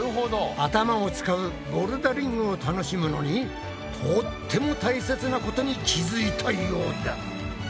頭を使うボルダリングを楽しむのにとっても大切なことに気付いたようだ。